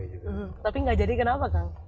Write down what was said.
tapi nggak jadi kenapa kang